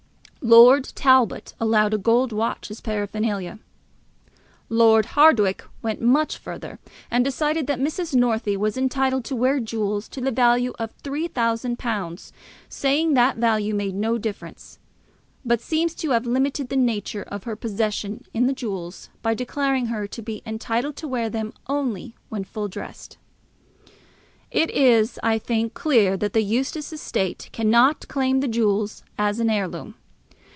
Lord Talbot allowed a gold watch as paraphernalia. Lord Hardwicke went much further, and decided that Mrs. Northey was entitled to wear jewels to the value of £3000, saying that value made no difference; but seems to have limited the nature of her possession in the jewels by declaring her to be entitled to wear them only when full dressed. It is, I think, clear that the Eustace estate cannot claim the jewels as an heirloom.